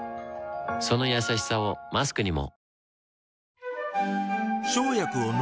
そのやさしさをマスクにも